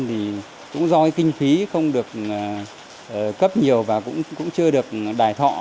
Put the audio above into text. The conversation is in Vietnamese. thì cũng do kinh phí không được cấp nhiều và cũng chưa được đài thọ